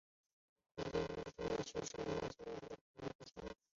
原定的故事大纲是讲述五位女性从年青到老年的社会变迁。